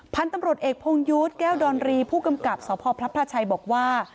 พันธุ์ตำรวจเอกพงยุทธ์แก้วดอนรีผู้กำกับสพพระพลาชัยบอกว่า